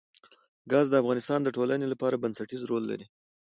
ګاز د افغانستان د ټولنې لپاره بنسټيز رول لري.